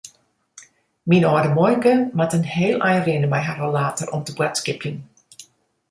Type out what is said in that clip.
Myn âlde muoike moat in heel ein rinne mei har rollator om te boadskipjen.